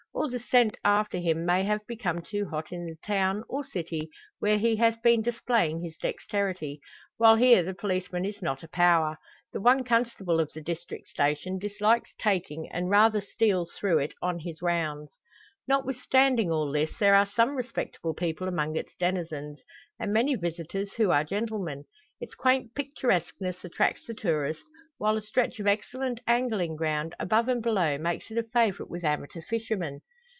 Or the scent after him may have become too hot in the town, or city, where he has been displaying his dexterity; while here the policeman is not a power. The one constable of the district station dislikes taking, and rather steals through it on his rounds. Notwithstanding all this, there are some respectable people among its denizens, and many visitors who are gentlemen. Its quaint picturesqueness attracts the tourist; while a stretch of excellent angling ground, above and below, makes it a favourite with amateur fishermen.